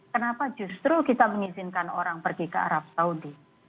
kenapa justru kita mengizinkan orang pergi ke arab saudi